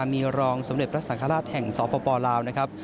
มีรองสมเด็จพระสังฆราชแห่งสปลาวนะครับ